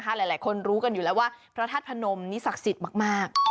หลายคนรู้กันอยู่แล้วว่าพระธาตุพนมนี่ศักดิ์สิทธิ์มาก